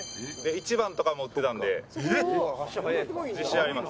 １番とか持ってたんで自信あります。